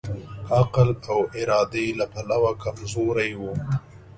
عقل او ارادې له پلوه کمزوری وو.